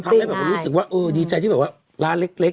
แล้วแบบว่าทำให้ผมรู้สึกว่าเออดีใจที่แบบว่าร้านเล็กอ่ะ